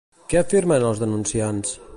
Què afirmen els denunciants?